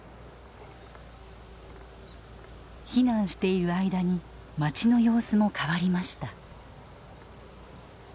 避難している間に町の様子も変わりました。